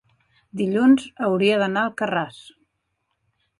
dilluns hauria d'anar a Alcarràs.